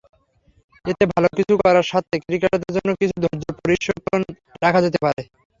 এতে ভালো করার স্বার্থে ক্রিকেটারদের জন্য কিছু ধৈর্যের প্রশিক্ষণ রাখা যেতে পারে।